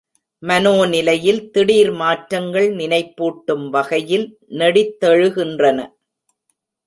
மனோ நிலையில் திடீர் மாற்றங்கள், நினைப்பூட்டும் வகையில் நெடித்தெழுகின்றன.